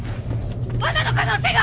罠の可能性が！